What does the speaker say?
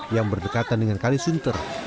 yang berdekatan dengan kalisunter